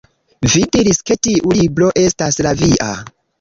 Vi diris ke tiu libro estas la via